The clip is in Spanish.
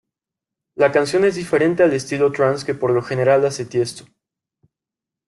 La canción es diferente al estilo Trance que por lo general hace Tiësto.